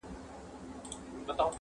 لوڅ لپړ توره تر ملا شمله یې جګه.